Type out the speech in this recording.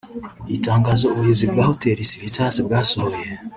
Itangazo ubuyobozi bwa Hotel Civitas bwasohoye